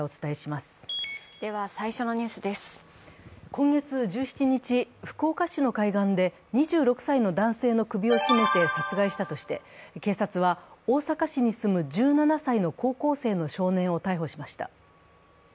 今月１７日、福岡市の海岸で２６歳の男性の首を絞めて殺害したとして警察は大阪市に住む１７歳の高校生の少年を逮捕しました。